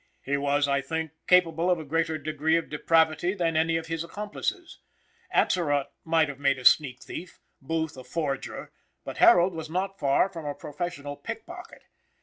He was, I think, capable of a greater degree of depravity than any of his accomplices. Atzerott might have made a sneak thief, Booth a forger, but Harold was not far from a professional pickpocket.